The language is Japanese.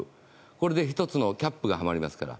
これで１つのキャップがはまりますから。